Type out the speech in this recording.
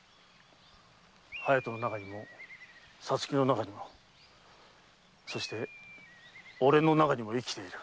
隼人の中にも皐月の中にもそして俺の中にも生きている。